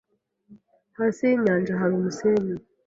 Hasi yinyanja hari umusenyi.